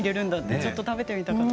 春巻きとか食べてみたかった。